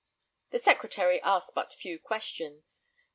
The Secretary asked but few questions.